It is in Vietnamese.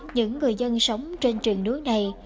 những người dân sống trên trường núi này